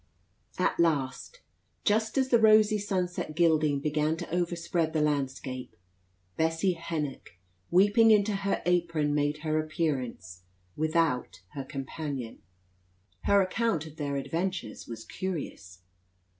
At last, just as the rosy sunset gilding began to overspread the landscape, Bessie Hennock, weeping into her apron, made her appearance without her companion. Her account of their adventures was curious.